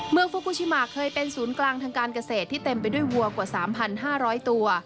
ฟูกูชิมาเคยเป็นศูนย์กลางทางการเกษตรที่เต็มไปด้วยวัวกว่า๓๕๐๐ตัว